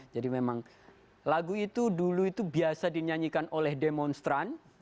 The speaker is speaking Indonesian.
jadi memang lagu itu dulu itu biasa dinyanyikan oleh demonstran